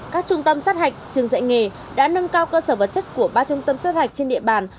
các trung tâm sát hạch trường dạy nghề đã nâng cao cơ sở vật chất của ba trung tâm sát hạch trên địa bàn